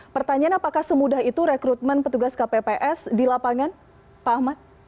pertanyaan apakah semudah itu rekrutmen petugas kpps di lapangan pak ahmad